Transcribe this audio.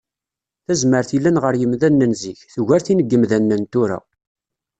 Tazmert yellan ɣer yemdanen n zik, tugart tin n yemdanen n tura